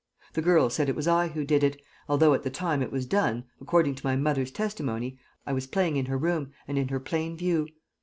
The girl said it was I who did it, although at the time it was done, according to my mother's testimony, I was playing in her room and in her plain view.